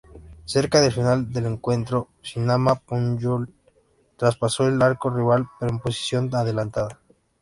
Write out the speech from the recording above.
Cerca del final del encuentro, Sinama-Pongolle traspasó el arco rival, pero en posición adelantada.